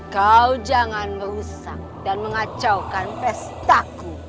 kau jangan merusak dan mengacaukan pestaku